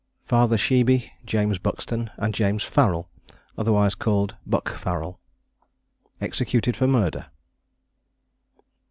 FATHER SHEEBY, JAMES BUXTON, AND JAMES FARRELL, OTHERWISE CALLED BUCK FARRELL. EXECUTED FOR MURDER.